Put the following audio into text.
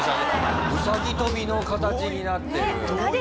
ウサギ跳びの形になってる。